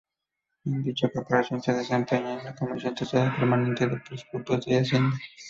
En dicha corporación se desempeña en la Comisión Tercera permanente de presupuesto y hacienda.